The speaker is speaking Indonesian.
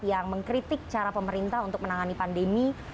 yang mengkritik cara pemerintah untuk menangani pandemi